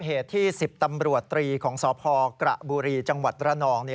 เหตุที่๑๐ตำรวจตรีของสพกระบุรีจังหวัดระนอง